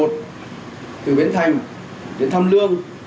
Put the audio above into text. từ bến thành đến tham lương